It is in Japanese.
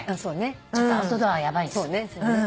ちょっとアウトドアはヤバいです。